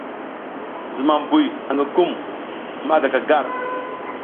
Zumam buy angi kum ma gaka gar.